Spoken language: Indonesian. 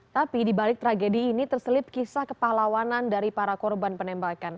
tapi dibalik tragedi ini terselip kisah kepahlawanan dari para korban penembakan